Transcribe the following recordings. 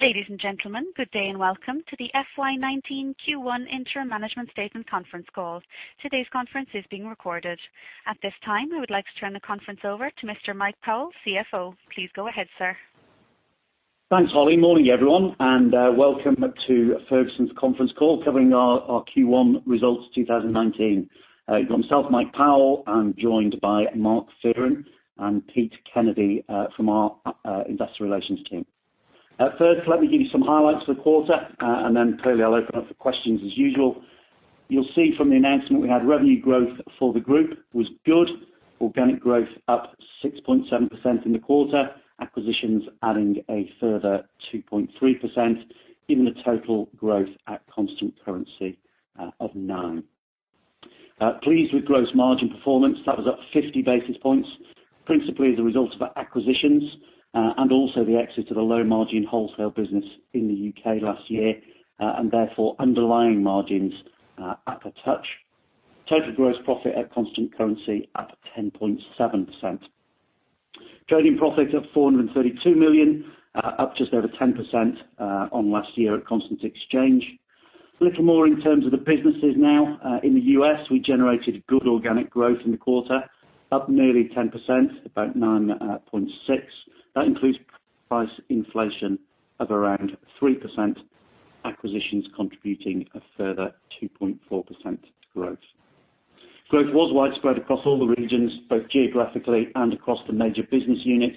Ladies and gentlemen, good day and welcome to the FY 2019 Q1 interim management statement conference call. Today's conference is being recorded. At this time, we would like to turn the conference over to Mr. Mike Powell, CFO. Please go ahead, sir. Thanks, Holly. Morning, everyone, welcome to Ferguson's conference call covering our Q1 results 2019. You've got myself, Mike Powell. I'm joined by Mark Fearon and Pete Kennedy from our investor relations team. First, let me give you some highlights for the quarter, then clearly I'll open up for questions as usual. You'll see from the announcement we had revenue growth for the group was good. Organic growth up 6.7% in the quarter, acquisitions adding a further 2.3%, giving a total growth at constant currency of nine. Pleased with gross margin performance. That was up 50 basis points, principally as a result of our acquisitions, also the exit of the low-margin wholesale business in the U.K. last year, therefore underlying margins up a touch. Total gross profit at constant currency up 10.7%. Trading profit of $432 million, up just over 10% on last year at constant exchange. A little more in terms of the businesses now. In the U.S., we generated good organic growth in the quarter, up nearly 10%, about 9.6. That includes price inflation of around 3%, acquisitions contributing a further 2.4% growth. Growth was widespread across all the regions, both geographically and across the major business units,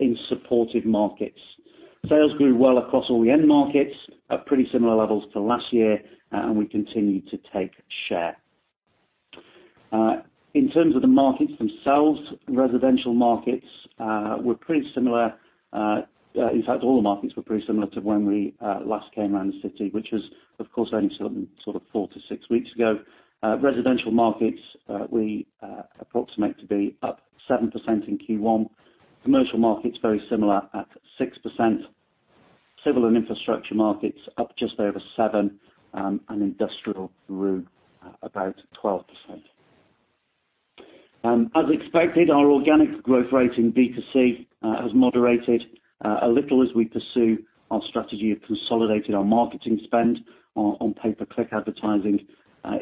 in supportive markets. Sales grew well across all the end markets at pretty similar levels to last year, we continued to take share. In terms of the markets themselves, residential markets were pretty similar. In fact, all the markets were pretty similar to when we last came around the city, which was, of course, only four to six weeks ago. Residential markets we approximate to be up 7% in Q1. Commercial markets, very similar at 6%. Civil and infrastructure markets up just over seven, industrial grew about 12%. As expected, our organic growth rate in B2C has moderated a little as we pursue our strategy of consolidating our marketing spend on pay-per-click advertising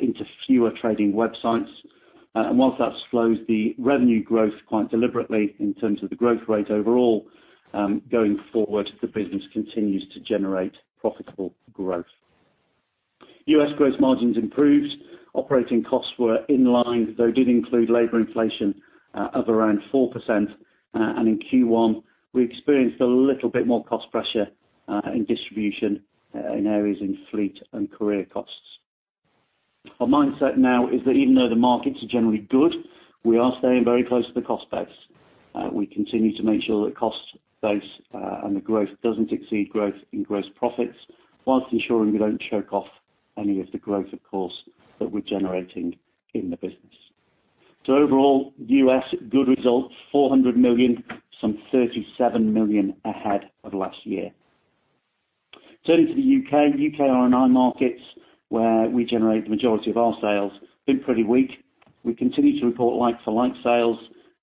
into fewer trading websites. Whilst that slows the revenue growth quite deliberately in terms of the growth rate overall, going forward, the business continues to generate profitable growth. U.S. gross margins improved. Operating costs were in line, though did include labor inflation of around 4%, in Q1, we experienced a little bit more cost pressure in distribution in areas in fleet and courier costs. Our mindset now is that even though the markets are generally good, we are staying very close to the cost base. We continue to make sure that cost base the growth doesn't exceed growth in gross profits, whilst ensuring we don't choke off any of the growth, of course, that we're generating in the business. Overall, U.S., good results, $400 million, some $37 million ahead of last year. Turning to the U.K. U.K. RMI markets, where we generate the majority of our sales, been pretty weak. We continue to report like-for-like sales,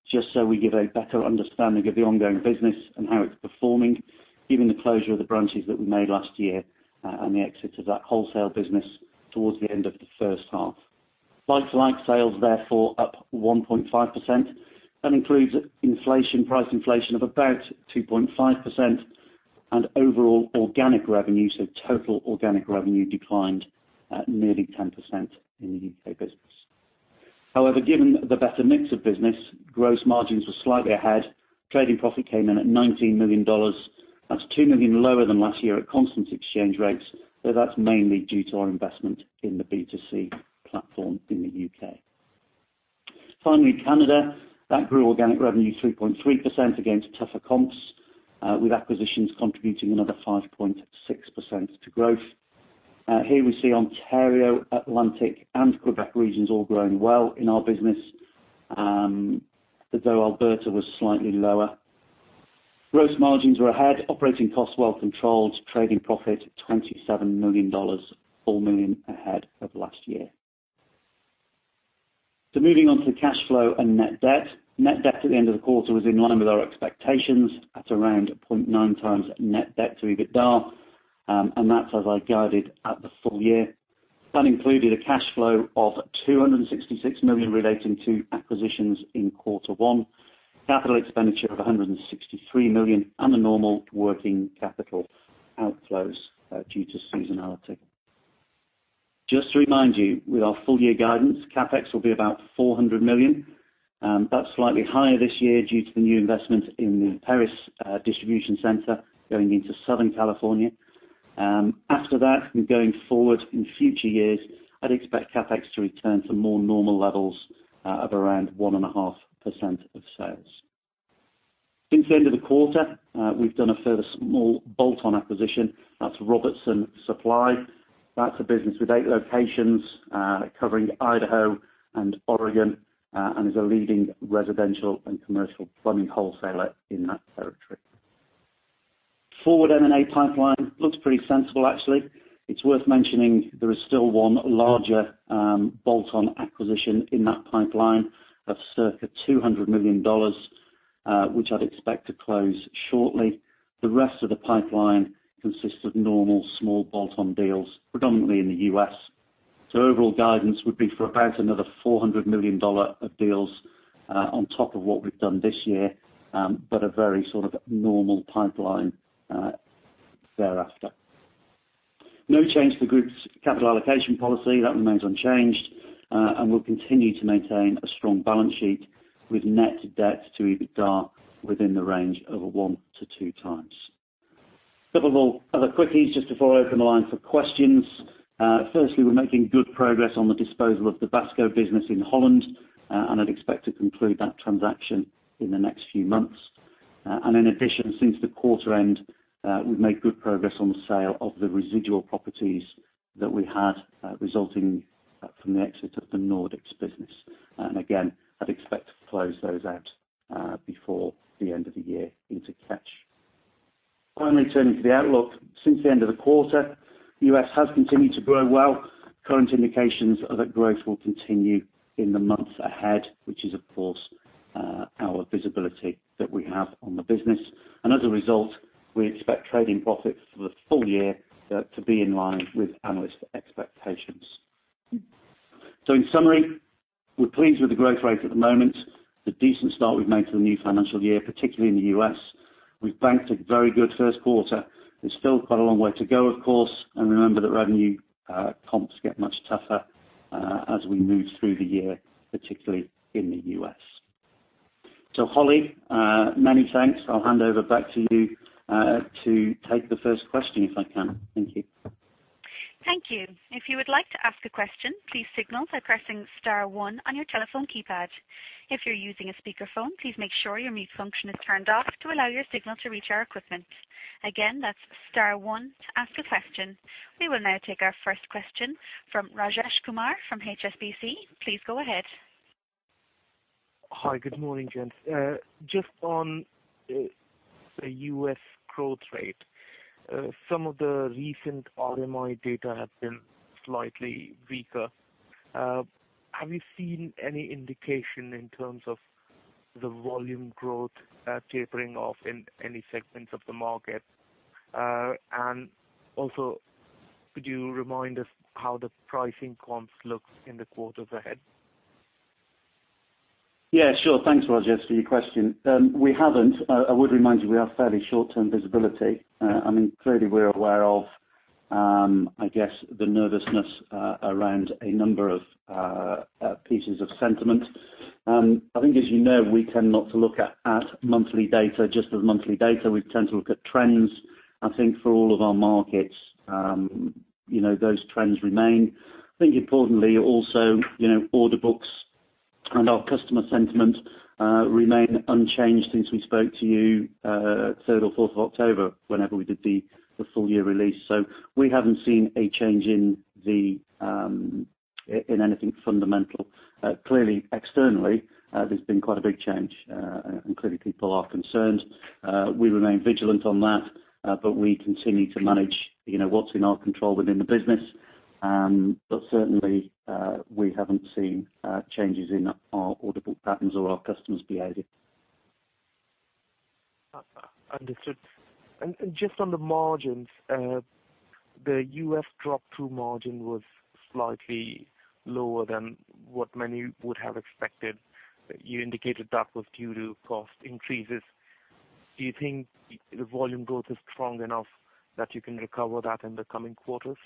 just so we give a better understanding of the ongoing business and how it's performing, given the closure of the branches that we made last year and the exit of that wholesale business towards the end of the first half. Like-for-like sales therefore up 1.5%. That includes inflation, price inflation of about 2.5% and overall organic revenue, total organic revenue declined at nearly 10% in the U.K. business. However, given the better mix of business, gross margins were slightly ahead. Trading profit came in at $19 million. That's $2 million lower than last year at constant exchange rates, though that's mainly due to our investment in the B2C platform in the U.K. Canada. That grew organic revenue 3.3% against tougher comps, with acquisitions contributing another 5.6% to growth. Here we see Ontario, Atlantic, and Quebec regions all growing well in our business. Although Alberta was slightly lower. Gross margins were ahead, operating costs well controlled, trading profit at $27 million, $4 million ahead of last year. Moving on to cash flow and net debt. Net debt at the end of the quarter was in line with our expectations at around 0.9x net debt to EBITDA, and that's as I guided at the full year. That included a cash flow of $266 million relating to acquisitions in quarter one, capital expenditure of $163 million, and the normal working capital outflows due to seasonality. Just to remind you, with our full year guidance, CapEx will be about $400 million. That's slightly higher this year due to the new investment in the Perris distribution center going into Southern California. After that and going forward in future years, I'd expect CapEx to return to more normal levels of around 1.5% of sales. Since the end of the quarter, we've done a further small bolt-on acquisition. That's Robertson Supply. That's a business with eight locations covering Idaho and Oregon, and is a leading residential and commercial plumbing wholesaler in that territory. Forward M&A pipeline. Pretty sensible actually. It's worth mentioning there is still one larger bolt-on acquisition in that pipeline of circa $200 million, which I'd expect to close shortly. The rest of the pipeline consists of normal small bolt-on deals, predominantly in the U.S. Overall guidance would be for about another $400 million of deals on top of what we've done this year, but a very normal pipeline thereafter. No change to the group's capital allocation policy. That remains unchanged, and we'll continue to maintain a strong balance sheet with net debt to EBITDA within the range of one to two times. Couple of other quickies just before I open the line for questions. Firstly, we're making good progress on the disposal of the Wasco business in Holland, and I'd expect to conclude that transaction in the next few months. In addition, since the quarter end, we've made good progress on the sale of the residual properties that we had, resulting from the exit of the Nordics business. Again, I'd expect to close those out before the end of the year into Catch. Turning to the outlook. Since the end of the quarter, the U.S. has continued to grow well. Current indications are that growth will continue in the months ahead, which is, of course, our visibility that we have on the business. As a result, we expect trading profits for the full year to be in line with analyst expectations. In summary, we're pleased with the growth rate at the moment, the decent start we've made to the new financial year, particularly in the U.S. We've banked a very good first quarter. There's still quite a long way to go, of course, and remember that revenue comps get much tougher as we move through the year, particularly in the U.S. Holly, many thanks. I'll hand over back to you to take the first question, if I can. Thank you. Thank you. If you would like to ask a question, please signal by pressing star 1 on your telephone keypad. If you're using a speakerphone, please make sure your mute function is turned off to allow your signal to reach our equipment. Again, that's star one to ask a question. We will now take our first question from Rajesh Kumar from HSBC. Please go ahead. Hi, good morning, gents. Just on the U.S. growth rate, some of the recent RMI data have been slightly weaker. Have you seen any indication in terms of the volume growth tapering off in any segments of the market? Also, could you remind us how the pricing comps look in the quarters ahead? Yeah, sure. Thanks, Rajesh, for your question. We haven't. I would remind you, we have fairly short-term visibility. Clearly we're aware of the nervousness around a number of pieces of sentiment. I think, as you know, we tend not to look at monthly data just as monthly data. We tend to look at trends. I think for all of our markets those trends remain. I think importantly also order books and our customer sentiment remain unchanged since we spoke to you third or fourth of October, whenever we did the full year release. We haven't seen a change in anything fundamental. Clearly, externally, there's been quite a big change, and clearly people are concerned. We remain vigilant on that, but we continue to manage what's in our control within the business. Certainly, we haven't seen changes in our order book patterns or our customers' behavior. Understood. Just on the margins, the U.S. drop-through margin was slightly lower than what many would have expected. You indicated that was due to cost increases. Do you think the volume growth is strong enough that you can recover that in the coming quarters?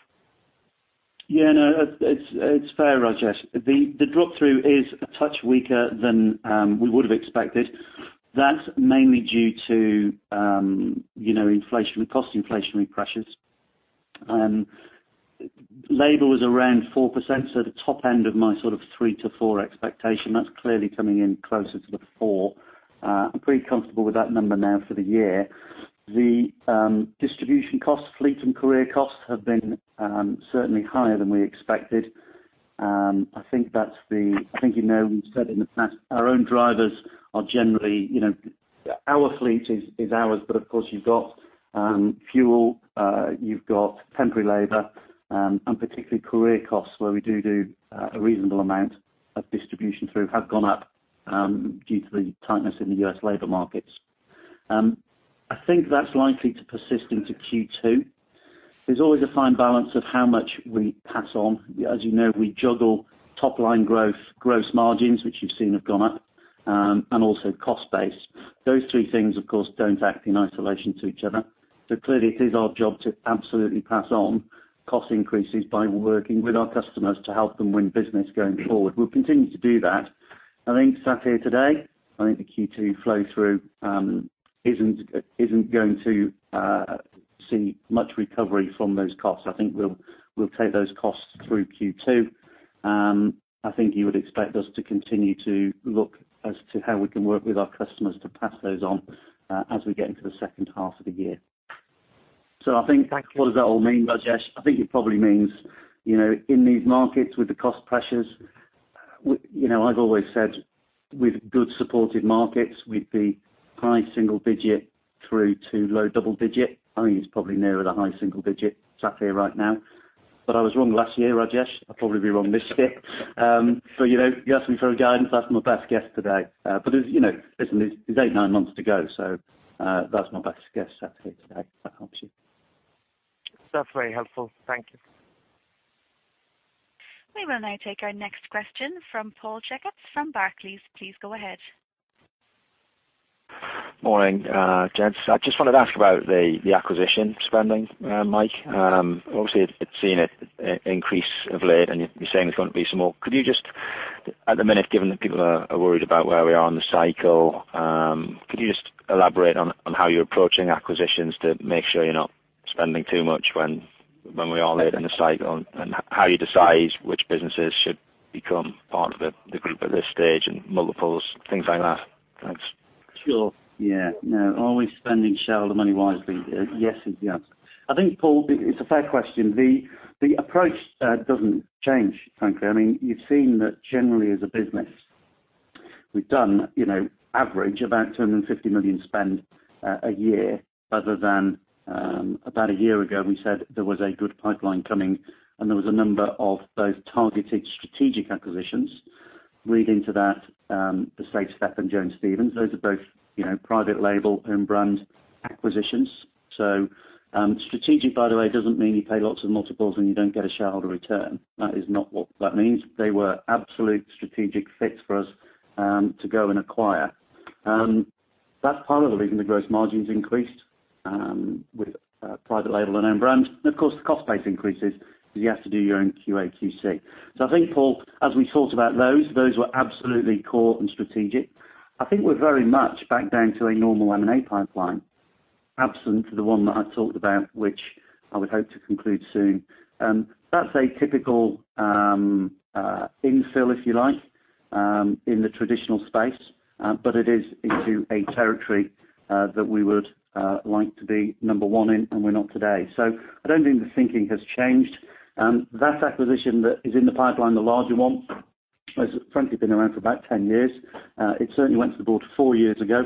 Yeah, no, it's fair, Rajesh. The drop-through is a touch weaker than we would have expected. That's mainly due to cost inflationary pressures. Labor was around 4%, so the top end of my three to four expectation. That's clearly coming in closer to the four. I'm pretty comfortable with that number now for the year. The distribution costs, fleet and courier costs, have been certainly higher than we expected. I think you know we've said in the past, our own drivers are generally our fleet is ours, but of course you've got fuel, you've got temporary labor, and particularly courier costs where we do a reasonable amount of distribution through have gone up due to the tightness in the U.S. labor markets. I think that's likely to persist into Q2. There's always a fine balance of how much we pass on. As you know, we juggle top line growth, gross margins, which you've seen have gone up, and also cost base. Those three things, of course, don't act in isolation to each other. Clearly it is our job to absolutely pass on cost increases by working with our customers to help them win business going forward. We'll continue to do that. I think sat here today, I think the Q2 flow through isn't going to see much recovery from those costs. I think we'll take those costs through Q2. I think you would expect us to continue to look as to how we can work with our customers to pass those on as we get into the second half of the year. Thank you. What does that all mean, Rajesh? It probably means, in these markets with the cost pressures. I've always said with good supported markets, we'd be high single digit through to low double digit. It's probably nearer the high single digit, exactly right now. I was wrong last year, Rajesh. I'll probably be wrong this year. You asked me for a guidance, that's my best guess today. Listen, it's eight, nine months to go, so that's my best guess today, if that helps you. That's very helpful. Thank you. We will now take our next question from Paul Checketts from Barclays. Please go ahead. Morning, gents. I just wanted to ask about the acquisition spending, Mike. Obviously, seeing it increase of late, and you're saying there's going to be some more. Could you just, at the minute, given that people are worried about where we are in the cycle, could you just elaborate on how you're approaching acquisitions to make sure you're not spending too much when we are late in the cycle, and how you decide which businesses should become part of the group at this stage and multiples, things like that? Thanks. Sure. Yeah. No. Are we spending shareholder money wisely? Yes, is the answer. I think, Paul, it's a fair question. The approach doesn't change, frankly. You've seen that generally as a business, we've done average about $250 million spend a year, other than about a year ago, we said there was a good pipeline coming, and there was a number of both targeted strategic acquisitions. Leading to that, the SafeStep and Jones Stephens, those are both private label, home brand acquisitions. Strategic, by the way, doesn't mean you pay lots of multiples and you don't get a shareholder return. That is not what that means. They were absolute strategic fits for us to go and acquire. That's part of the reason the gross margin's increased with private label and own brand. Of course, the cost base increases because you have to do your own QA, QC. I think, Paul, as we thought about those were absolutely core and strategic. I think we're very much back down to a normal M&A pipeline, absent the one that I talked about, which I would hope to conclude soon. That's a typical infill, if you like, in the traditional space, but it is into a territory that we would like to be number one in, and we're not today. I don't think the thinking has changed. That acquisition that is in the pipeline, the larger one, has frankly been around for about 10 years. It certainly went to the board four years ago,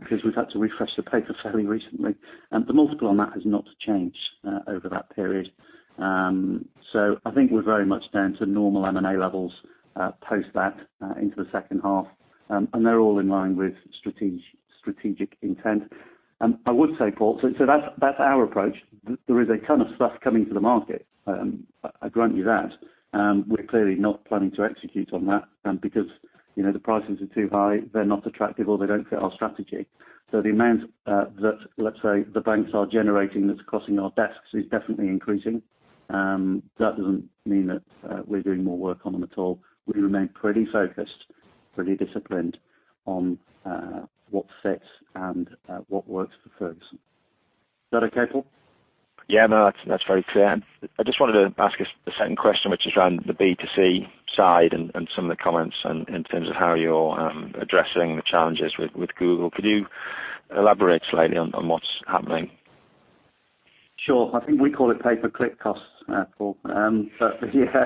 because we've had to refresh the paper fairly recently. The multiple on that has not changed over that period. I think we're very much down to normal M&A levels post that into the second half, and they're all in line with strategic intent. I would say, Paul, That's our approach. There is a ton of stuff coming to the market. I grant you that. We're clearly not planning to execute on that because the prices are too high, they're not attractive, or they don't fit our strategy. The amount that, let's say, the banks are generating that's crossing our desks is definitely increasing. That doesn't mean that we're doing more work on them at all. We remain pretty focused, pretty disciplined on what fits and what works for Ferguson. Is that okay, Paul? That's very clear. I just wanted to ask a second question, which is around the B2C side and some of the comments in terms of how you're addressing the challenges with Google. Could you elaborate slightly on what's happening? Sure. I think we call it pay-per-click costs, Paul. You're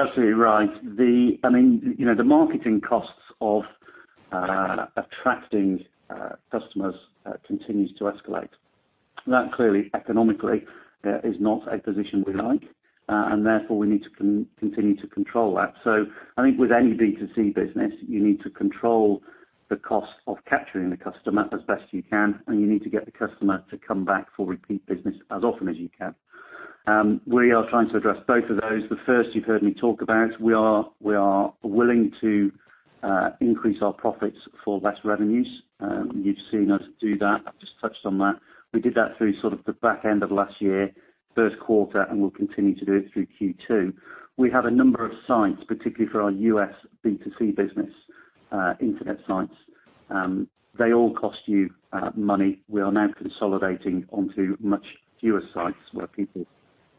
absolutely right. The marketing costs of attracting customers continues to escalate. That clearly, economically, is not a position we like, and therefore we need to continue to control that. I think with any B2C business, you need to control the cost of capturing the customer as best you can, and you need to get the customer to come back for repeat business as often as you can. We are trying to address both of those. The first you've heard me talk about, we are willing to increase our profits for less revenues. You've seen us do that. I've just touched on that. We did that through sort of the back end of last year, first quarter, and we'll continue to do it through Q2. We have a number of sites, particularly for our U.S. B2C business, internet sites. They all cost you money. We are now consolidating onto much fewer sites where people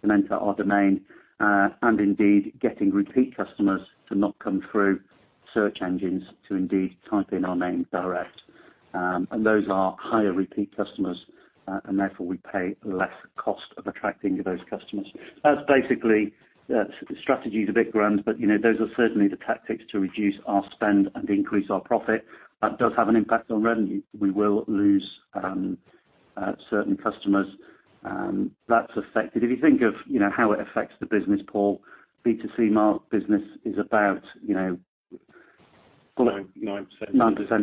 can enter our domain, and indeed, getting repeat customers to not come through search engines to indeed type in our name direct. Those are higher repeat customers, and therefore we pay less cost of attracting those customers. That's basically the strategy is a bit grand, but those are certainly the tactics to reduce our spend and increase our profit. That does have an impact on revenue. We will lose certain customers. That's affected. If you think of how it affects the business, Paul, B2C business is about- 9% 9%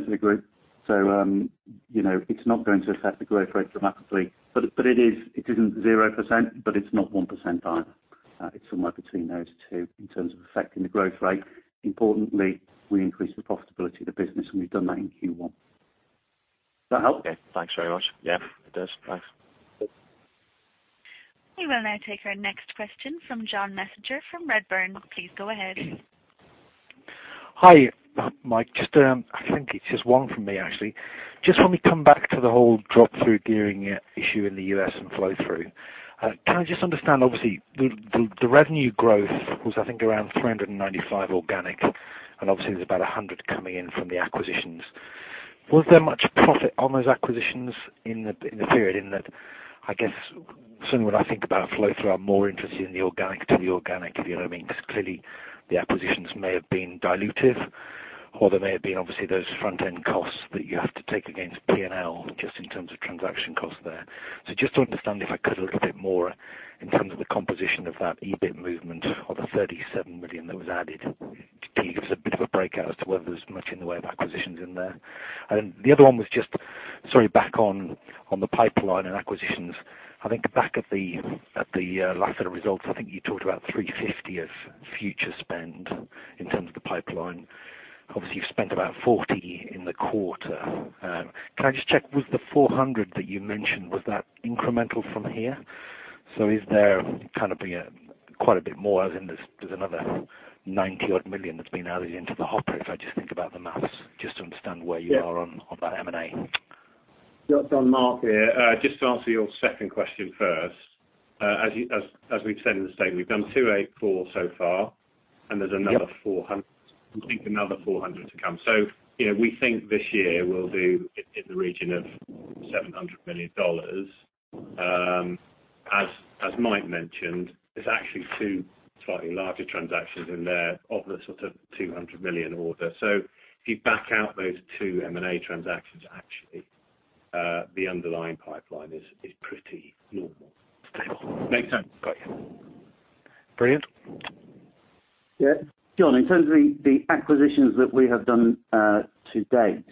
of the group. It's not going to affect the growth rate dramatically. It isn't 0%, but it's not 1% either. It's somewhere between those two in terms of affecting the growth rate. Importantly, we increase the profitability of the business, and we've done that in Q1. Does that help? Okay. Thanks very much. Yeah, it does. Bye. We will now take our next question from John Messenger from Redburn. Please go ahead. Hi, Mike. I think it's just one from me, actually. Just when we come back to the whole drop through gearing issue in the U.S. and flow through. Can I just understand, obviously, the revenue growth was I think around $395 organic, and obviously there's about $100 coming in from the acquisitions. Was there much profit on those acquisitions in the period in that, I guess, certainly when I think about flow through, I'm more interested in the organic to the organic, if you know what I mean, because clearly the acquisitions may have been dilutive or there may have been obviously those front-end costs that you have to take against P&L just in terms of transaction costs there. Just to understand, if I could a little bit more in terms of the composition of that EBIT movement or the $37 million that was added. Can you give us a bit of a breakout as to whether there's much in the way of acquisitions in there? The other one was just, sorry, back on the pipeline and acquisitions. I think back at the last set of results, I think you talked about $350 of future spend in terms of the pipeline. Obviously, you've spent about $40 in the quarter. Can I just check, was the $400 that you mentioned, was that incremental from here? Is there going to be quite a bit more, as in there's another $90 odd million that's been added into the hopper, if I just think about the maths, just to understand where you are on that M&A. John, Mark here. Just to answer your second question first. As we've said in the statement, we've done $284 so far, and there's, I think, another $400 to come. We think this year we'll do in the region of $700 million. As Mike mentioned, there's actually two slightly larger transactions in there of the sort of $200 million order. If you back out those two M&A transactions, actually, the underlying pipeline is pretty normal, stable. Makes sense. Got you. Brilliant. Yeah. John, in terms of the acquisitions that we have done to date,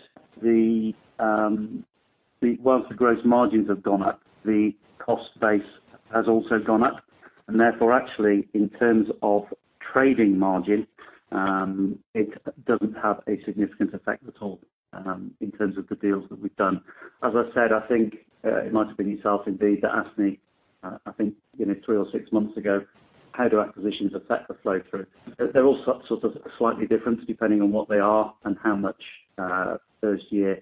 whilst the gross margins have gone up, the cost base has also gone up. Therefore actually, in terms of trading margin, it doesn't have a significant effect at all in terms of the deals that we've done. As I said, I think it might have been yourself indeed that asked me, I think three or six months ago, how do acquisitions affect the flow through? They're all slightly different depending on what they are and how much first-year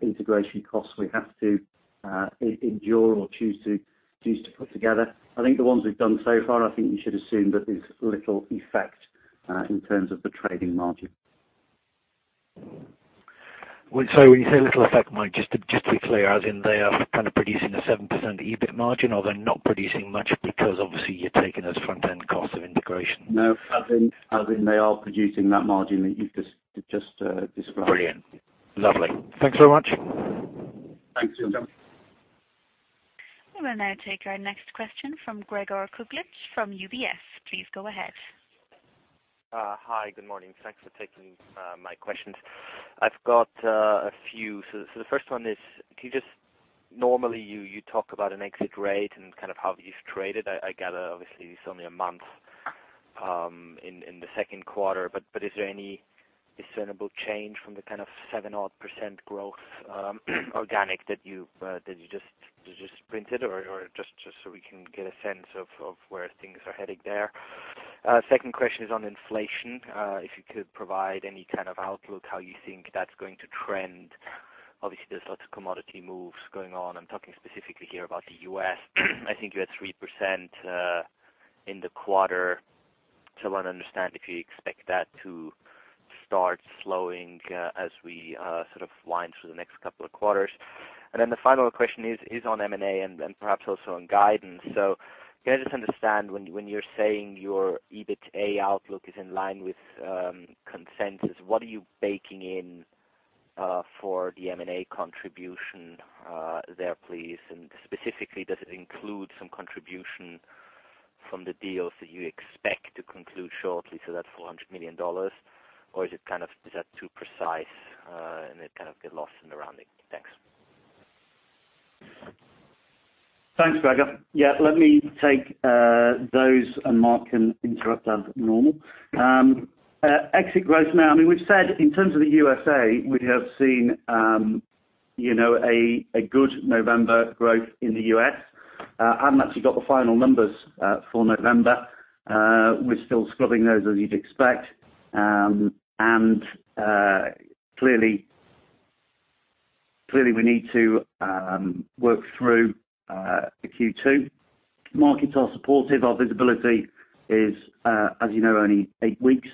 integration costs we have to endure or choose to put together. I think the ones we've done so far, I think you should assume that there's little effect in terms of the trading margin. When you say little effect, Mike, just to be clear, as in they are kind of producing a 7% EBIT margin, or they're not producing much because obviously you're taking those front-end costs of integration? No. As in they are producing that margin that you've just described. Brilliant. Lovely. Thanks very much. Thanks, John. We will now take our next question from Gregor Kuglitsch from UBS. Please go ahead. Hi, good morning. Thanks for taking my questions. I've got a few. The first one is, normally you talk about an exit rate and kind of how you've traded. I gather obviously it's only a month in the second quarter, but is there any discernible change from the kind of 7.0% Growth organic that you just printed or just so we can get a sense of where things are heading there? Second question is on inflation. If you could provide any kind of outlook, how you think that's going to trend. Obviously, there's lots of commodity moves going on. I'm talking specifically here about the U.S. I think you had 3% in the quarter. I want to understand if you expect that to start slowing as we sort of wind through the next couple of quarters. The final question is on M&A and perhaps also on guidance. Can I just understand when you're saying your EBITA outlook is in line with consensus, what are you baking in for the M&A contribution there, please? Specifically, does it include some contribution from the deals that you expect to conclude shortly, so that's $400 million, or is that too precise and it kind of get lost in the rounding? Thanks. Thanks, Gregor. Yeah, let me take those and Mark can interrupt as normal. Exit growth. We've said in terms of the USA, we have seen a good November growth in the U.S. I haven't actually got the final numbers for November. We're still scrubbing those as you'd expect. Clearly we need to work through the Q2. Markets are supportive. Our visibility is, as you know, only eight weeks.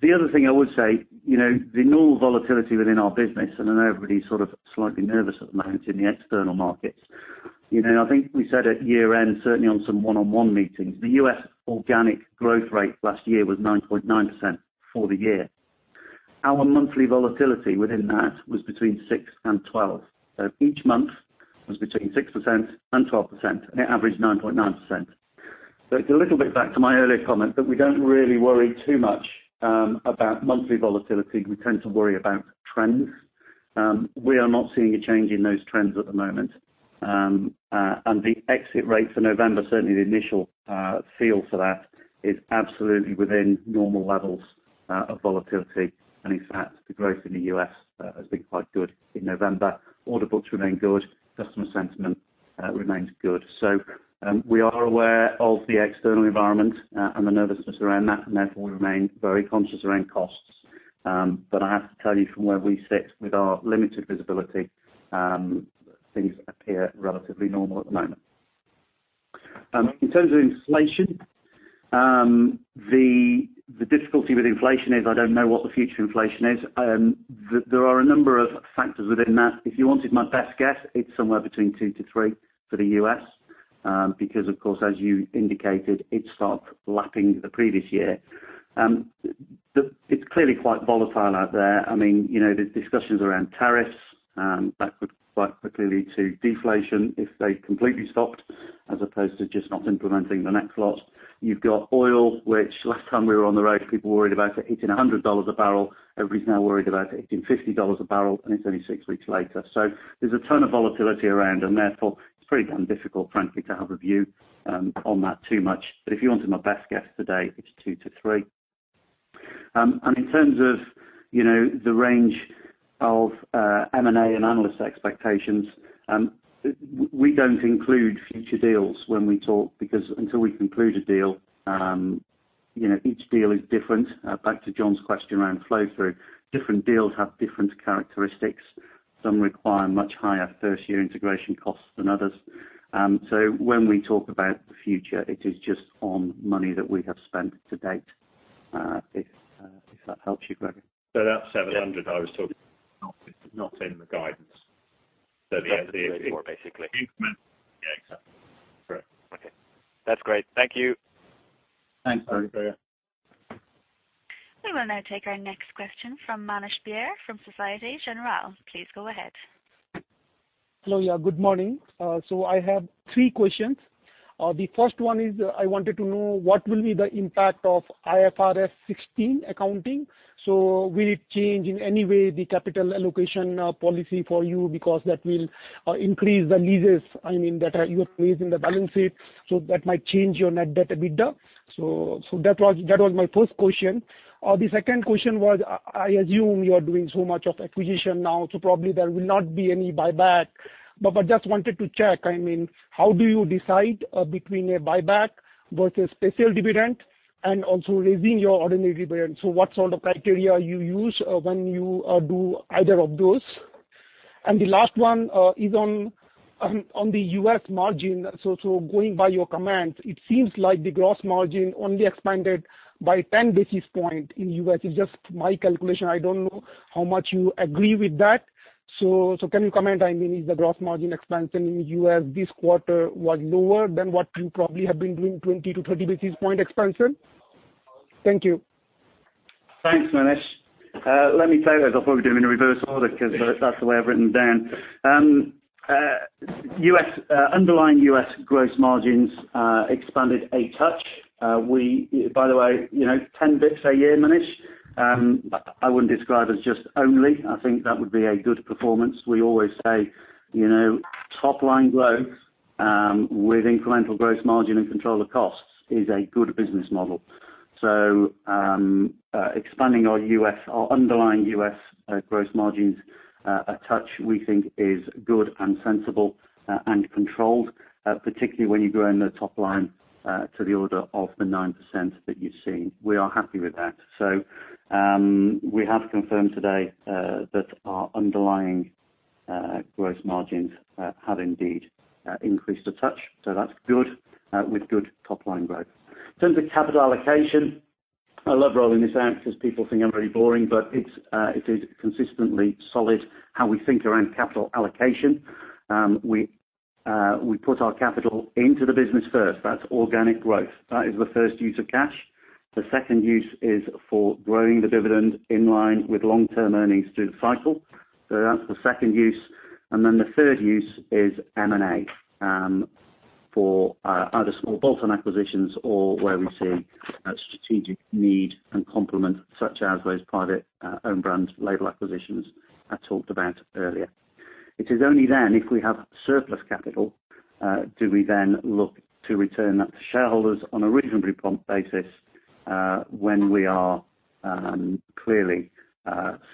The other thing I would say, the normal volatility within our business, and I know everybody's sort of slightly nervous at the moment in the external markets. I think we said at year-end, certainly on some one-on-one meetings, the U.S. organic growth rate last year was 9.9% for the year. Our monthly volatility within that was between six and 12. Each month was between 6% and 12%, and it averaged 9.9%. It's a little bit back to my earlier comment, we don't really worry too much about monthly volatility. We tend to worry about trends. We are not seeing a change in those trends at the moment. The exit rate for November, certainly the initial feel for that is absolutely within normal levels of volatility. In fact, the growth in the U.S. has been quite good in November. Order books remain good, customer sentiment remains good. We are aware of the external environment and the nervousness around that, therefore we remain very conscious around costs. I have to tell you from where we sit with our limited visibility, things appear relatively normal at the moment. In terms of inflation, the difficulty with inflation is I don't know what the future inflation is. There are a number of factors within that. If you wanted my best guess, it's somewhere between two to three for the U.S. because, of course, as you indicated, it's sort of lapping the previous year. It's clearly quite volatile out there. There's discussions around tariffs, that could quite quickly lead to deflation if they completely stopped, as opposed to just not implementing the next lot. You've got oil, which last time we were on the road, people worried about it hitting $100 a barrel. Everybody's now worried about it hitting $50 a barrel, and it's only six weeks later. There's a ton of volatility around, therefore, it's pretty damn difficult, frankly, to have a view on that too much. If you wanted my best guess today, it's two to three. In terms of the range of M&A and analyst expectations, we don't include future deals when we talk because until we conclude a deal, each deal is different. Back to John's question around flow through, different deals have different characteristics. Some require much higher first year integration costs than others. When we talk about the future, it is just on money that we have spent to date. If that helps you, Gregor. That $700 I was talking about is not in the guidance. Yeah. Increment. Yeah, exactly. Correct. Okay. That's great. Thank you. Thanks very, Gregor. We will now take our next question from Manish Beria from Societe Generale. Please go ahead. Hello. Good morning. I have three questions. The first one is, I wanted to know what will be the impact of IFRS 16 accounting. Will it change in any way the capital allocation policy for you because that will increase the leases, I mean, that you are raising the balance sheet, so that might change your net debt EBITDA. That was my first question. The second question was, I assume you are doing so much of acquisition now, so probably there will not be any buyback. Just wanted to check, how do you decide between a buyback versus special dividend and also raising your ordinary dividend? What's all the criteria you use when you do either of those? The last one is on the U.S. margin. Going by your comments, it seems like the gross margin only expanded by 10 basis points in U.S. It's just my calculation. I don't know how much you agree with that. Can you comment, I mean, is the gross margin expansion in U.S. this quarter was lower than what you probably have been doing 20 to 30 basis points expansion? Thank you. Thanks, Manish. Let me take those. I'll probably do them in reverse order because that's the way I've written down. Underlying U.S. gross margins expanded a touch. By the way, 10 basis points a year, Manish, I wouldn't describe as just only. I think that would be a good performance. We always say, top-line growth with incremental gross margin and control of costs is a good business model. Expanding our underlying U.S. gross margins a touch, we think is good and sensible and controlled, particularly when you grow in the top line to the order of the 9% that you're seeing. We are happy with that. We have confirmed today that our underlying gross margins have indeed increased a touch. That's good with good top-line growth. In terms of capital allocation, I love rolling this out because people think I'm very boring, but it is consistently solid how we think around capital allocation. We put our capital into the business first. That's organic growth. That is the first use of cash. The second use is for growing the dividend in line with long-term earnings through the cycle. That's the second use. The third use is M&A, for either small bolt-on acquisitions or where we see a strategic need and complement, such as those private own brands label acquisitions I talked about earlier. It is only then if we have surplus capital, do we then look to return that to shareholders on a reasonably prompt basis, when we are clearly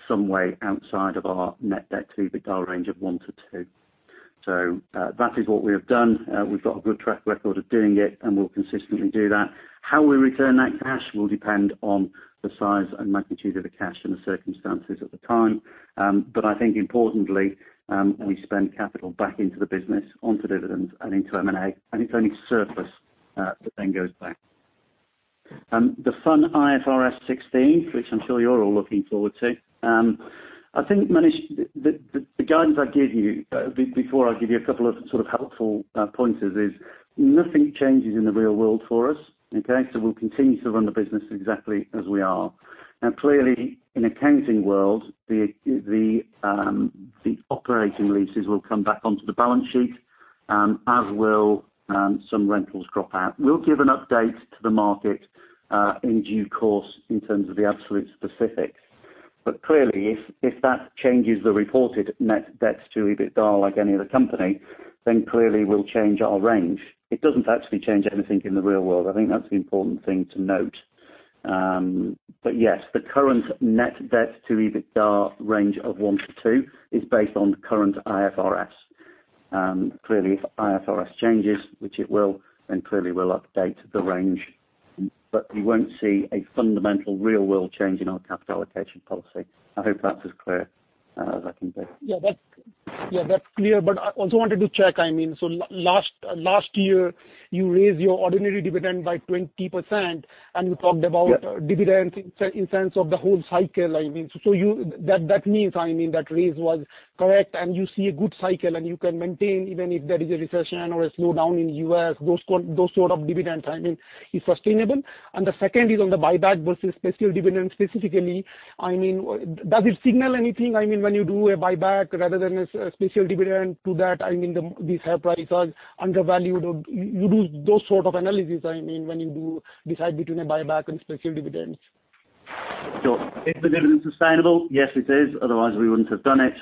some way outside of our net debt to EBITDA range of 1-2. That is what we have done. We've got a good track record of doing it, and we'll consistently do that. How we return that cash will depend on the size and magnitude of the cash and the circumstances at the time. I think importantly, we spend capital back into the business onto dividends and into M&A, and it's only surplus that then goes back. The fun IFRS 16, which I'm sure you're all looking forward to. I think, Manish, the guidance I give you, before I give you a couple of helpful pointers is nothing changes in the real world for us. Okay? We'll continue to run the business exactly as we are. Clearly, in accounting world, the operating leases will come back onto the balance sheet, as will some rentals drop out. We'll give an update to the market in due course in terms of the absolute specifics. Clearly, if that changes the reported net debt to EBITDA like any other company, we'll change our range. It doesn't actually change anything in the real world. I think that's the important thing to note. Yes, the current net debt to EBITDA range of 1-2 is based on the current IFRS. If IFRS changes, which it will, we'll update the range, but you won't see a fundamental real-world change in our capital allocation policy. I hope that's as clear as I can be. Yeah, that's clear. I also wanted to check, last year you raised your ordinary dividend by 20%, and you talked about- Yeah dividend in sense of the whole cycle. That means that raise was correct, and you see a good cycle, and you can maintain, even if there is a recession or a slowdown in U.S., those sort of dividends is sustainable. The second is on the buyback versus special dividend, specifically, does it signal anything? When you do a buyback rather than a special dividend to that, these share prices undervalued or you do those sort of analysis, when you decide between a buyback and special dividends? Sure. Is the dividend sustainable? Yes, it is. Otherwise, we wouldn't have done it.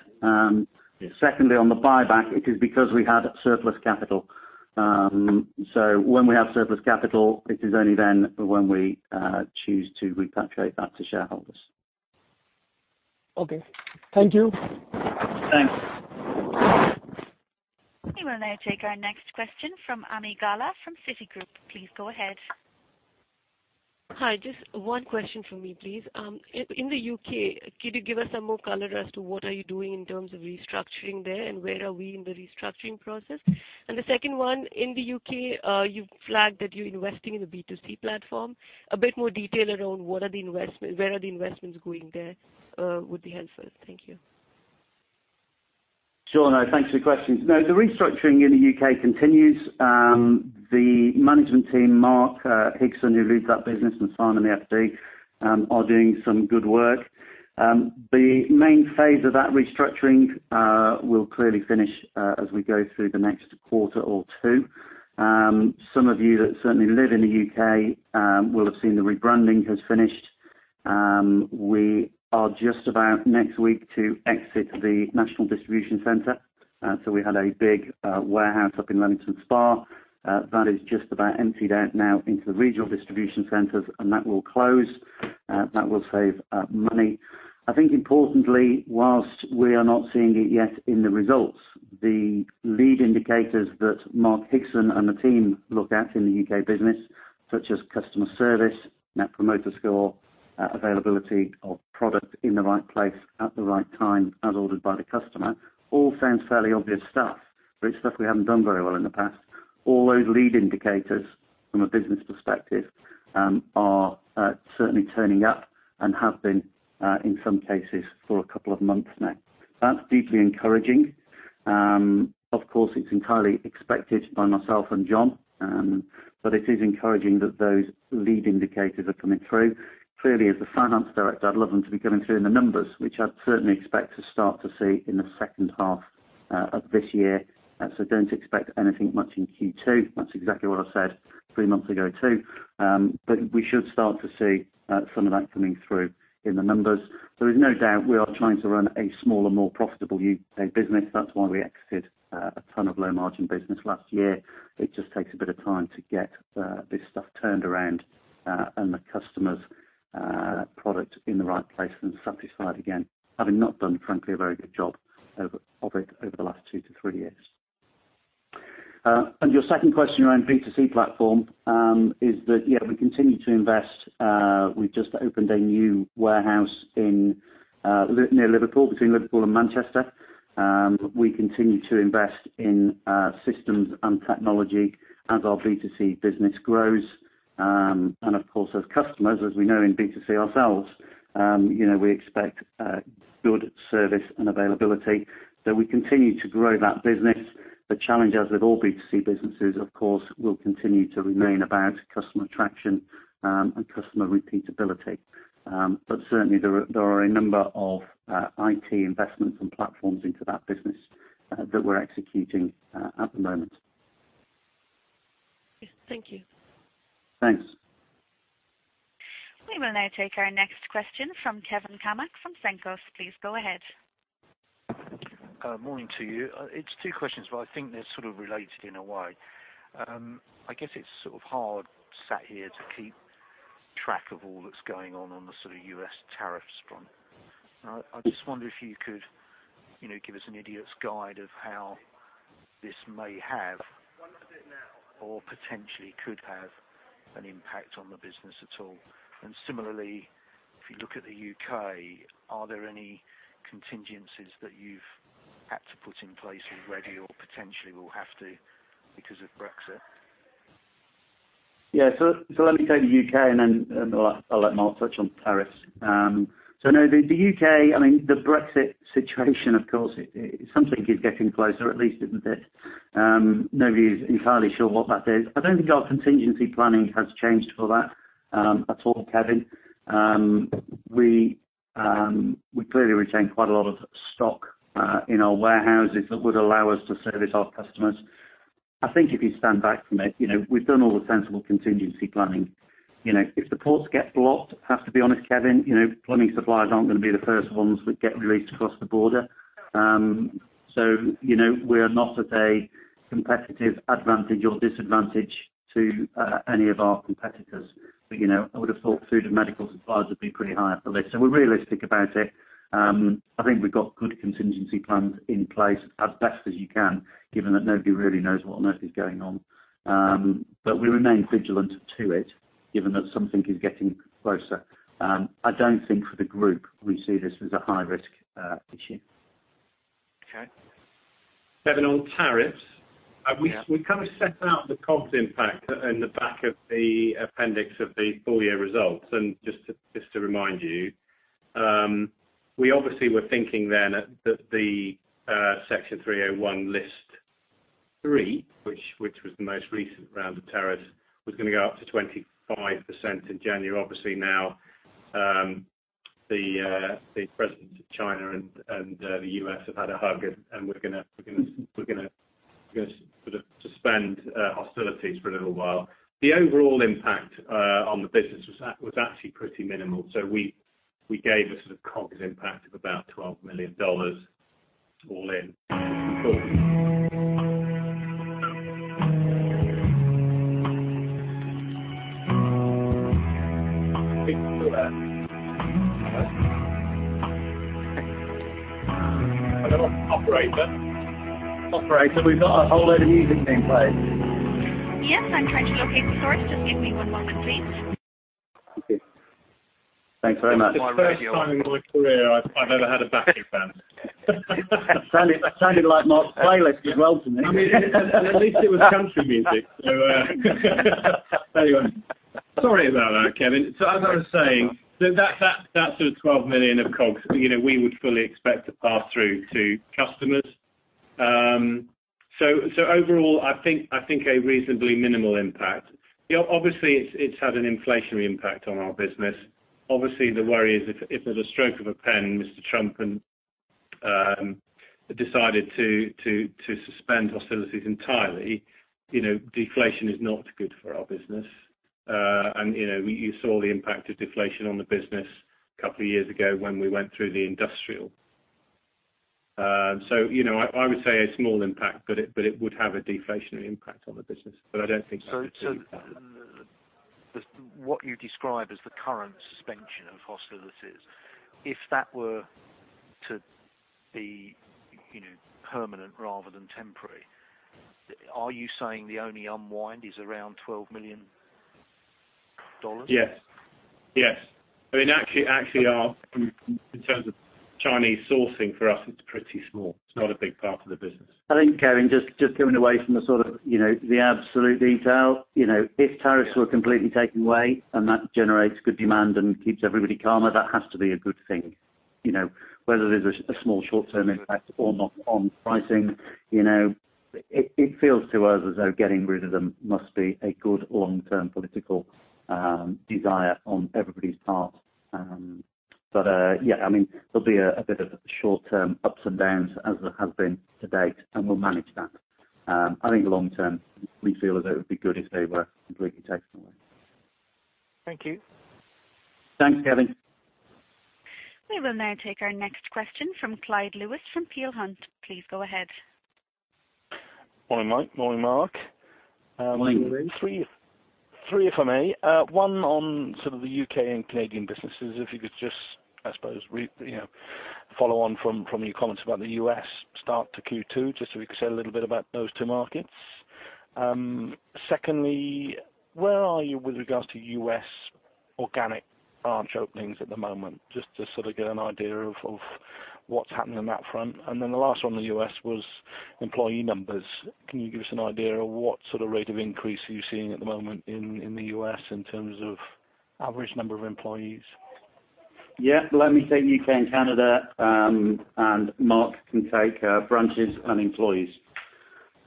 Yes. Secondly, on the buyback, it is because we had surplus capital. When we have surplus capital, it is only then when we choose to repatriate that to shareholders. Okay. Thank you. Thanks. We will now take our next question from Ami Galla from Citigroup. Please go ahead. Hi, just one question from me, please. In the U.K., could you give us some more color as to what are you doing in terms of restructuring there, and where are we in the restructuring process? The second one, in the U.K., you flagged that you're investing in the B2C platform. A bit more detail around where are the investments going there would be helpful. Thank you. Sure. No, thanks for your questions. No, the restructuring in the U.K. continues. The management team, Mark Higson, who leads that business, and Simon, the FD, are doing some good work. The main phase of that restructuring will clearly finish as we go through the next quarter or two. Some of you that certainly live in the U.K. will have seen the rebranding has finished. We are just about, next week, to exit the national distribution center. We had a big warehouse up in Leamington Spa. That is just about emptied out now into the regional distribution centers, and that will close. That will save money. I think importantly, whilst we are not seeing it yet in the results, the lead indicators that Mark Higson and the team look at in the U.K. business, such as customer service, Net Promoter Score, availability of product in the right place at the right time as ordered by the customer, all sounds fairly obvious stuff, but it's stuff we haven't done very well in the past. All those lead indicators from a business perspective are certainly turning up and have been, in some cases, for a couple of months now. That's deeply encouraging. Of course, it's entirely expected by myself and John, but it is encouraging that those lead indicators are coming through. Clearly, as the Finance Director, I'd love them to be coming through in the numbers, which I'd certainly expect to start to see in the second half of this year. Don't expect anything much in Q2. That's exactly what I said three months ago, too. We should start to see some of that coming through in the numbers. There is no doubt we are trying to run a smaller, more profitable U.K. business. That's why we exited a ton of low-margin business last year. It just takes a bit of time to get this stuff turned around and the customer's product in the right place and satisfied again, having not done, frankly, a very good job of it over the last two to three years. Your second question around B2C platform is that, yeah, we continue to invest. We just opened a new warehouse near Liverpool, between Liverpool and Manchester. We continue to invest in systems and technology as our B2C business grows. Of course, as customers, as we know in B2C ourselves, we expect good service and availability. We continue to grow that business. The challenge, as with all B2C businesses, of course, will continue to remain about customer attraction and customer repeatability. Certainly, there are a number of IT investments and platforms into that business that we're executing at the moment. Yes. Thank you. Thanks. We will now take our next question from Kevin Cammack from Cenkos. Please go ahead. Morning to you. It's two questions, but I think they're sort of related in a way. I guess it's sort of hard sat here to keep track of all that's going on the sort of U.S. tariffs front. I just wonder if you could give us an idiot's guide of how this may have or potentially could have an impact on the business at all. Similarly, if you look at the U.K., are there any contingencies that you've had to put in place already or potentially will have to because of Brexit? Let me take the U.K., and then I'll let Mark touch on tariffs. No, the U.K., the Brexit situation, of course, something is getting closer, at least, isn't it? Nobody is entirely sure what that is. I don't think our contingency planning has changed for that at all, Kevin. We clearly retain quite a lot of stock in our warehouses that would allow us to service our customers. I think if you stand back from it, we've done all the sensible contingency planning. If the ports get blocked, I have to be honest, Kevin, plumbing suppliers aren't going to be the first ones that get released across the border. We are not at a competitive advantage or disadvantage to any of our competitors. I would have thought food and medical suppliers would be pretty high up the list. We're realistic about it. I think we've got good contingency plans in place as best as you can, given that nobody really knows what on earth is going on. We remain vigilant to it, given that something is getting closer. I don't think for the Group, we see this as a high-risk issue. Kevin, on tariffs- Yeah We kind of set out the COGS impact in the back of the appendix of the full year results. Just to remind you, we obviously were thinking then that the Section 301 list three, which was the most recent round of tariffs, was going to go up to 25% in January. Obviously now, the presidents of China and the U.S. have had a hug, and we're going to sort of suspend hostilities for a little while. The overall impact on the business was actually pretty minimal. We gave a sort of COGS impact of about $12 million all in. Are you still there? Hello? Hello, operator? Operator, we've got a whole load of music being played. Yes, I'm trying to locate the source. Just give me one moment, please. Thank you. Thanks very much. This is the first time in my career I've ever had a backing band. That sounded like Mark's playlist as well to me. At least it was country music. Anyway. Sorry about that, Kevin. As I was saying, that sort of $12 million of COGS, we would fully expect to pass through to customers. Overall, I think a reasonably minimal impact. Obviously, it's had an inflationary impact on our business. Obviously, the worry is if, at a stroke of a pen, Mr. Trump decided to suspend hostilities entirely, deflation is not good for our business. You saw the impact of deflation on the business a couple of years ago when we went through the industrial. I would say a small impact, but it would have a deflationary impact on the business. I don't think that would be the case. What you describe as the current suspension of hostilities, if that were to be permanent rather than temporary, are you saying the only unwind is around $12 million? Yes. Actually, in terms of Chinese sourcing for us, it's pretty small. It's not a big part of the business. I think, Kevin, just going away from the sort of absolute detail. If tariffs were completely taken away and that generates good demand and keeps everybody calmer, that has to be a good thing. Whether there's a small short-term impact or not on pricing, it feels to us as though getting rid of them must be a good long-term political desire on everybody's part. Yeah, there'll be a bit of short-term ups and downs as there have been to date, and we'll manage that. I think long-term, we feel as though it would be good if they were completely taken away. Thank you. Thanks, Kevin. We will now take our next question from Clyde Lewis from Peel Hunt. Please go ahead. Morning, Mike. Morning, Mark. Morning. Three, if I may. One on sort of the U.K. and Canadian businesses, if you could just, I suppose, follow on from your comments about the U.S. start to Q2, just so we can say a little bit about those two markets. Secondly, where are you with regards to U.S. organic branch openings at the moment, just to sort of get an idea of what's happening on that front? The last one on the U.S. was employee numbers. Can you give us an idea of what sort of rate of increase are you seeing at the moment in the U.S. in terms of average number of employees? Yeah. Let me take U.K. and Canada, and Mark can take branches and employees.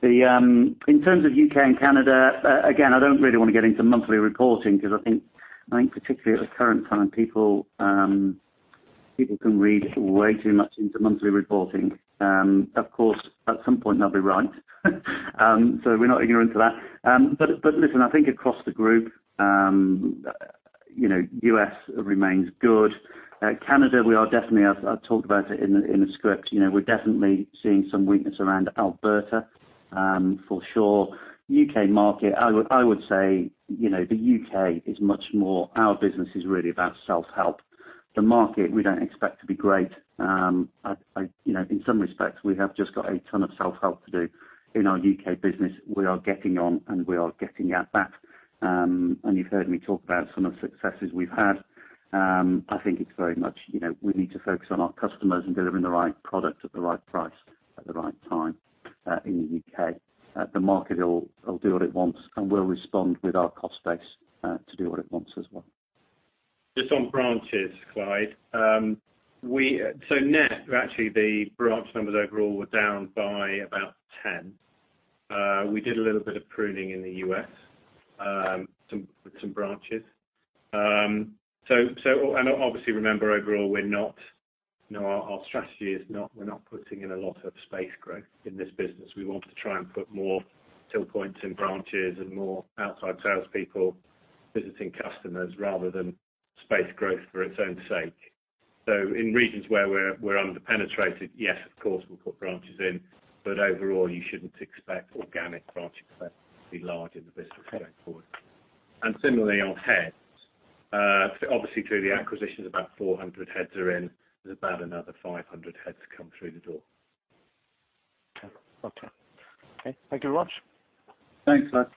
In terms of U.K. and Canada, again, I don't really want to get into monthly reporting because I think particularly at the current time, people can read way too much into monthly reporting. Of course, at some point they'll be right. We're not ignorant to that. Listen, I think across the group, U.S. remains good. Canada, I talked about it in the script. We're definitely seeing some weakness around Alberta for sure. U.K. market, I would say the U.K. is much more our business is really about self-help. The market, we don't expect to be great. In some respects, we have just got a ton of self-help to do in our U.K. business. We are getting on, and we are getting out back. You've heard me talk about some of the successes we've had. I think it's very much we need to focus on our customers and delivering the right product at the right price at the right time in the U.K. The market will do what it wants, and we'll respond with our cost base to do what it wants as well. Just on branches, Clyde. Net, actually the branch numbers overall were down by about 10. We did a little bit of pruning in the U.S. with some branches. Obviously, remember overall our strategy is we're not putting in a lot of space growth in this business. We want to try and put more till points in branches and more outside salespeople visiting customers rather than space growth for its own sake. In regions where we're under-penetrated, yes, of course, we'll put branches in, but overall, you shouldn't expect organic branch effect to be large in the business going forward. Similarly on heads, obviously through the acquisitions, about 400 heads are in. There's about another 500 heads to come through the door. Okay. Thank you very much.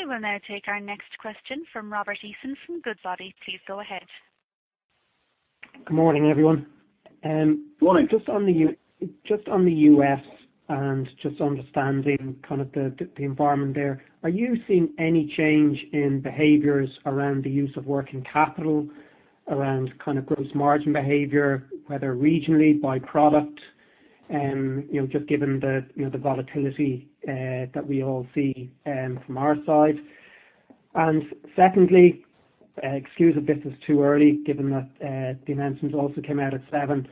Thanks, Clyde. We will now take our next question from Robert Eason from Goodbody. Please go ahead. Good morning, everyone. Morning. Just on the U.S. and just understanding the environment there, are you seeing any change in behaviors around the use of working capital, around gross margin behavior, whether regionally by product, just given the volatility that we all see from our side? Secondly, excuse if this is too early, given that the announcements also came out at 7:00.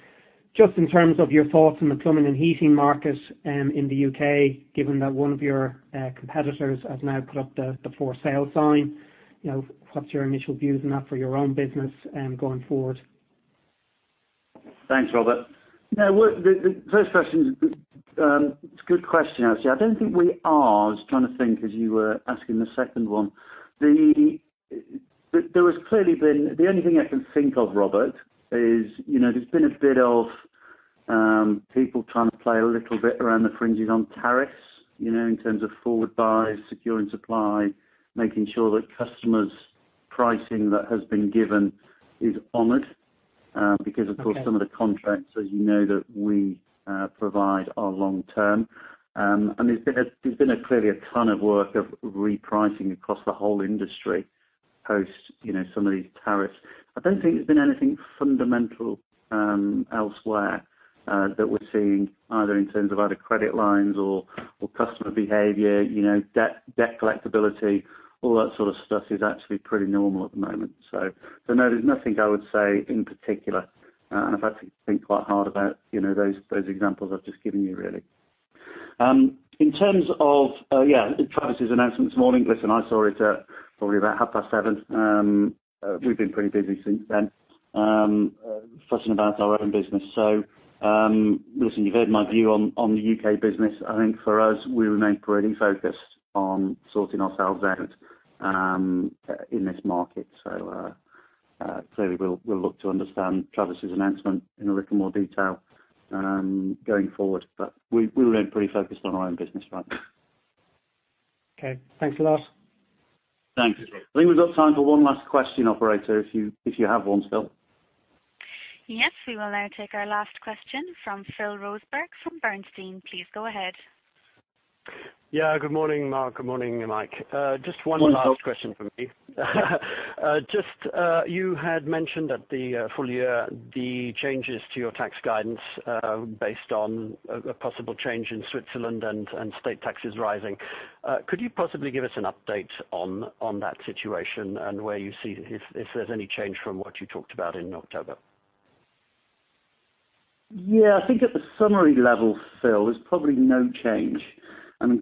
Just in terms of your thoughts on the plumbing and heating market in the U.K., given that one of your competitors has now put up the for sale sign, what's your initial views on that for your own business going forward? Thanks, Robert. The first question is a good question, actually. I don't think we are. I was trying to think as you were asking the second one. The only thing I can think of, Robert, is there's been a bit of people trying to play a little bit around the fringes on tariffs, in terms of forward buys, securing supply, making sure that customers' pricing that has been given is honored. Okay some of the contracts, as you know, that we provide are long-term. There's been clearly a ton of work of repricing across the whole industry post some of these tariffs. I don't think there's been anything fundamental elsewhere that we're seeing either in terms of either credit lines or customer behavior, debt collectability, all that sort of stuff is actually pretty normal at the moment. No, there's nothing I would say in particular, and I've had to think quite hard about those examples I've just given you, really. In terms of Travis's announcement this morning. Listen, I saw it at probably about 7:30. We've been pretty busy since then, fussing about our own business. Listen, you've heard my view on the U.K. business. I think for us, we remain pretty focused on sorting ourselves out in this market. Clearly we'll look to understand Travis's announcement in a little more detail going forward. We remain pretty focused on our own business right now. Okay, thanks a lot. Thanks. I think we've got time for one last question, operator, if you have one, Phil. Yes, we will now take our last question from Phil Roseberg from Bernstein. Please go ahead. Yeah, good morning, Mark. Good morning, Mike. Morning, Phil. Just one last question from me. You had mentioned at the full year the changes to your tax guidance based on a possible change in Switzerland and state taxes rising. Could you possibly give us an update on that situation and where you see, if there's any change from what you talked about in October? I think at the summary level, Phil, there's probably no change.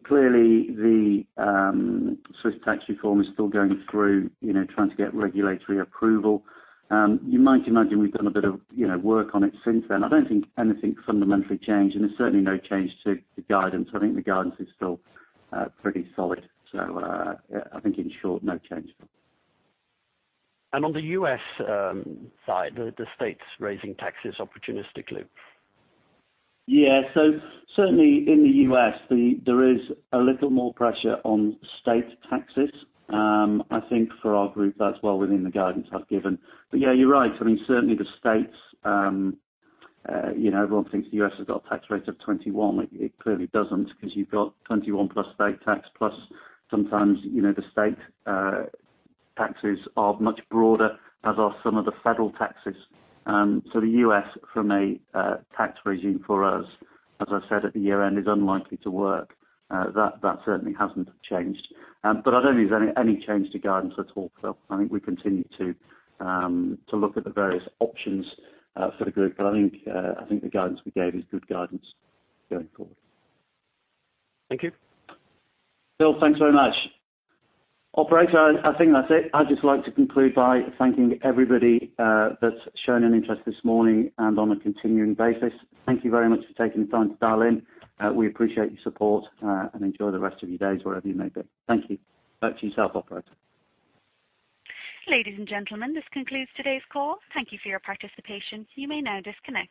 Clearly the Swiss tax reform is still going through, trying to get regulatory approval. You might imagine we've done a bit of work on it since then. I don't think anything fundamentally changed, and there's certainly no change to the guidance. I think the guidance is still pretty solid. I think in short, no change. On the U.S. side, the states raising taxes opportunistically. Certainly in the U.S., there is a little more pressure on state taxes. I think for our group that's well within the guidance I've given. Yeah, you're right. Certainly the states, everyone thinks the U.S. has got a tax rate of 21. It clearly doesn't, because you've got 21 plus state tax, plus sometimes the state taxes are much broader, as are some of the federal taxes. The U.S. from a tax regime for us, as I said at the year-end, is unlikely to work. That certainly hasn't changed. I don't think there's any change to guidance at all, Phil. I think we continue to look at the various options for the group. I think the guidance we gave is good guidance going forward. Thank you. Phil, thanks very much. Operator, I think that's it. I'd just like to conclude by thanking everybody that's shown an interest this morning and on a continuing basis. Thank you very much for taking the time to dial in. We appreciate your support, and enjoy the rest of your days wherever you may be. Thank you. Back to you, Operator. Ladies and gentlemen, this concludes today's call. Thank you for your participation. You may now disconnect.